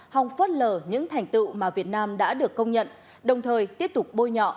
hòng phớt lờ những thành tựu mà việt nam đã được công nhận đồng thời tiếp tục bôi nhọ